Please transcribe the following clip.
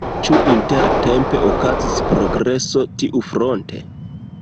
Ĉu intertempe okazis progreso tiufronte?